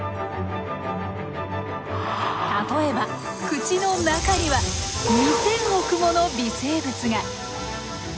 例えば口の中には２，０００億もの微生物が。